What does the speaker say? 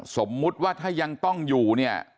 สมมุติว่าถ้ายังต้องอยู่เนี่ย